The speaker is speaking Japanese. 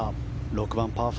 ６番、パー５。